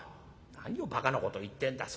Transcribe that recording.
「何をばかなこと言ってんだ。